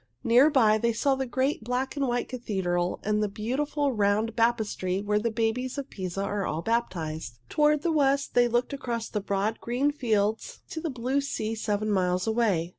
Near by they saw the great black and white cathedral and the beautiful round baptistry where the babies of Pisa are all baptized. Toward the west they looked across broad, green fields to the blue sea seven miles away.